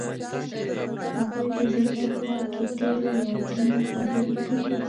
هغوی د زړه په خوا کې تیرو یادونو خبرې کړې.